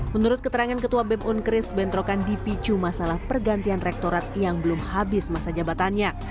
menurut keterangan ketua bem unkris bentrokan dipicu masalah pergantian rektorat yang belum habis masa jabatannya